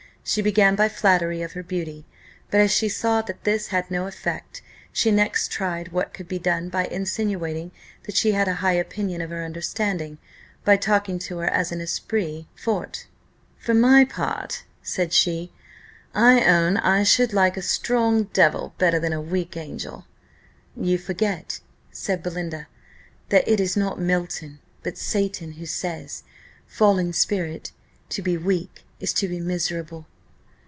She began by flattery of her beauty; but as she saw that this had no effect, she next tried what could be done by insinuating that she had a high opinion of her understanding, by talking to her as an esprit fort. "For my part," said she, "I own I should like a strong devil better than a weak angel." "You forget," said Belinda, "that it is not Milton, but Satan, who says, 'Fallen spirit, to be weak is to be miserable.